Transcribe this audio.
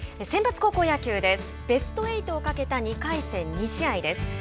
センバツ高校野球ですベスト８をかけた２回戦２試合です。